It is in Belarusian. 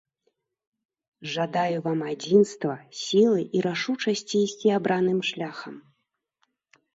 Жадаю вам адзінства, сілы і рашучасці ісці абраным шляхам.